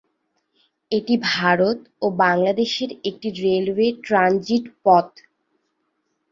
এটি ভারত ও বাংলাদেশের একটি রেলওয়ে ট্রানজিট পথ।